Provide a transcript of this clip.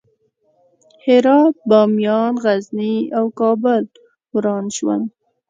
هرات، بامیان، غزني او کابل وران شول.